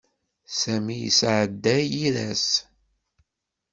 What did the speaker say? Sami yesɛedda yir ass.